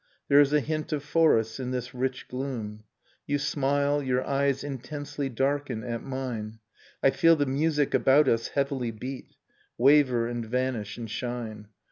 There is a hint of forests in this rich gloom ... You smile, your eyes intensely darken at mine, i I feel the music about us heavily beat, ] Waver and vanish and shine.